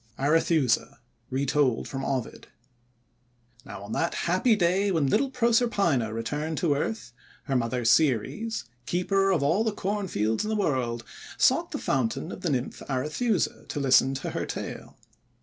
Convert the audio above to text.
ARETHUSA Retold from Ovid Now on that happy day when little Proserpina returned to earth, her mother Ceres, Keeper of all the Cornfields in the Wrorld, sought the foun tain of the Nymph Arethusa, to listen to her tale.